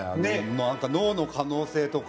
なんか脳の可能性とか。